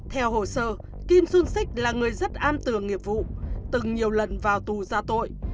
theo hồ sơ kim xuân xích là người rất am tường nghiệp vụ từng nhiều lần vào tù ra tội